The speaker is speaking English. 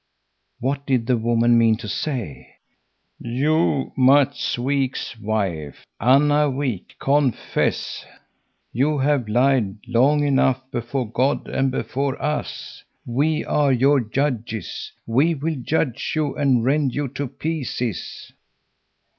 What did the woman mean to say? "You, Matts Wik's wife, Anna Wik, confess! You have lied long enough before God and before us. We are your judges. We will judge you and rend you to pieces."